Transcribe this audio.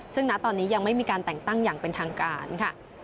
ซึ่งณตอนนี้ยังไม่มีการแต่งตั้งอย่างเป็นทางการค่ะ